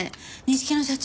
錦野社長